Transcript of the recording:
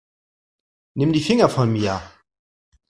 Nimm die Finger von mir.